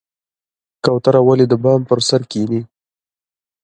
کوتره ولې د بام پر سر کیني؟